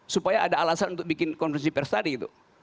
supaya ada alasan untuk bikin konversi pers tadi gitu